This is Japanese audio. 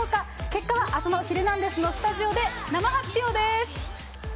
結果はあすのヒルナンデス！のスタジオで、生発表です。